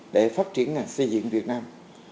để phát triển ngành xây dựng việt nam